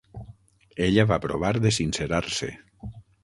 Ella va provar de sincerar-se.